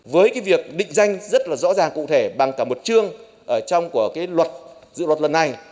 với cái việc định danh rất là rõ ràng cụ thể bằng cả một chương ở trong của cái luật dự luật lần này